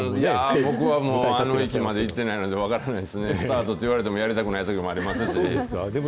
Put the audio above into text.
僕はあの域までいってないので、分からないですね、スタート言われてもやりたくないときもありますし。